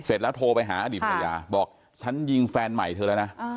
เสร็จแล้วโทรไปหาอดีตภรรยาบอกฉันยิงแฟนใหม่เธอแล้วนะ